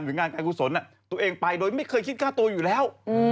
หรืองานแก่คุณสนตัวเองไปโดยไม่เคยคิดกล้าตัวอยู่แล้ว